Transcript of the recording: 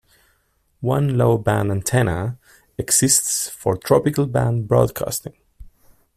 One Low Band antenna exists for Tropical Band broadcasting.